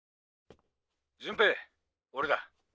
潤平俺だ。